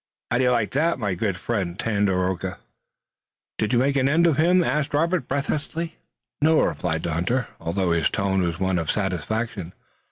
How do you like that, my good friend Tandakora?" "Did you make an end of him?" asked Robert breathlessly. "No," replied the hunter, although his tone was one of satisfaction.